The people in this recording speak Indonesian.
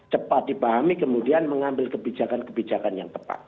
cepat dipahami kemudian mengambil kebijakan kebijakan yang tepat